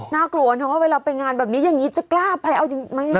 น่ากลัวนะว่าเวลาไปงานแบบนี้อย่างนี้จะกล้าไปเอาจริงไหม